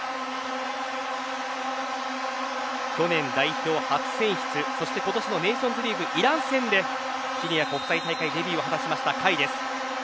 去年、代表初選出そして今年のネーションズリーグイラン戦で国際大会デビューを果たしました甲斐です。